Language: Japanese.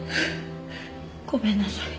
ごめんなさい。